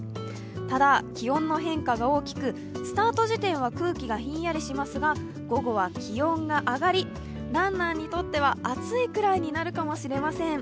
ただ、気温の変化が大きく、スタート時点は空気がひんやりしますが、午後は気温が上がりランナーにとっては暑いくらいになるかもしれません。